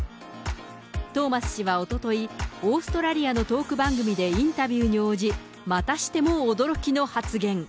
トーマス氏はおととい、オーストラリアのトーク番組でインタビューに応じ、またしても驚きの発言。